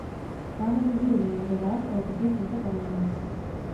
Máme důvěru nejen ve vás, ale také v tento Parlament.